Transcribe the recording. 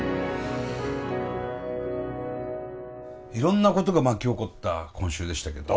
いろんなことが巻き起こった今週でしたけども。